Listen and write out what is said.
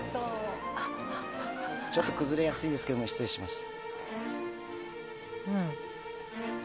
ちょっと崩れやすいんですけど失礼します。